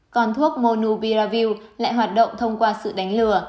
còn thuốc monubiravil lại hoạt động thông qua sự đánh lừa